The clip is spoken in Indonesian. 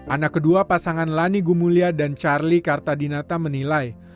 anak kedua pasangan lani gumulya dan charlie kartadinata menilai